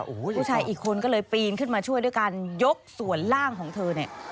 ผู้ชายอีกคนก็เลยปีนขึ้นมาช่วยด้วยการยกส่วนล่างของเธอเนี่ย